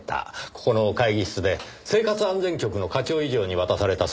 ここの会議室で生活安全局の課長以上に渡されたそうですねぇ。